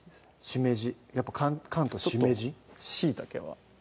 「しめじ」やっぱ関東「しめじ」「しいたけ」は？